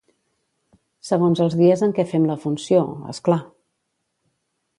Segons els dies en què fem la funció, és clar.